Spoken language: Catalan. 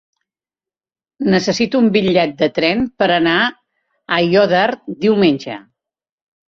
Necessito un bitllet de tren per anar a Aiòder diumenge.